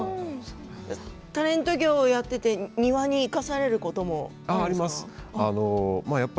タレント業をやっていて庭に生かされることもありますか。